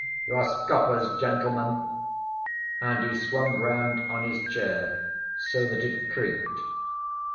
You are scoffers, gentlemen!" And he swung round on his chair so that it creaked.